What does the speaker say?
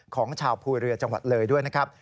ของชาวภูเรือจังหวัดเลยด้วยนะครับ